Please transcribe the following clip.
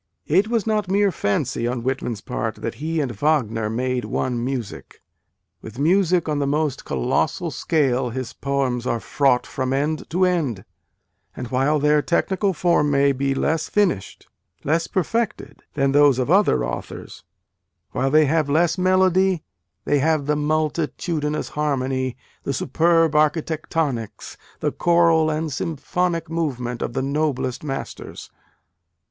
It was not mere fancy on Whitman s part that " he and Wagner made one music." With music on the most colossal scale his poems are fraught from end to end : and while their technical form may be less finished, less perfected, than those of other authors, while they have less melody, they have the multitudinous harmony, the superb architectonics, the choral and symphonic movement of the noblest masters.